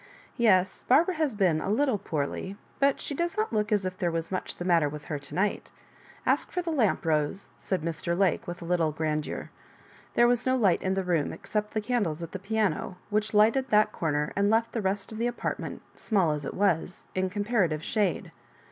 Yes, Barbara has ^n a little poorly — ^but she does not look as if there was much the matter with her to night Ask for the lamp, Rose," said Mr. Lake, with a little grandeur. There was no light in the room ex cept the candles at the piano, which lighted that comer and left the rest of the apartment, small as it was, in comparative shade.